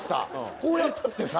こうやったってさ。